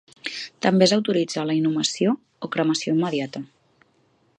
També s'autoritza la inhumació o cremació immediata.